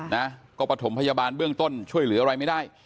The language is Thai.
นะก็ประถมพยาบาลเบื้องต้นช่วยเหลืออะไรไม่ได้